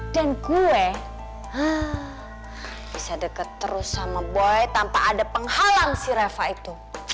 dan gue bisa deket terus sama boy tanpa ada penghalang si reva itu